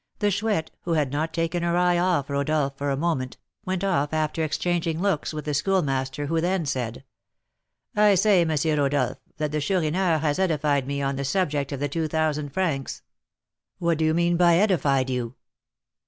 The Chouette, who had not taken her eye off Rodolph for a moment, went off after exchanging looks with the Schoolmaster, who then said: "I say, M. Rodolph, that the Chourineur has edified me on the subject of the two thousand francs." "What do you mean by edified you?"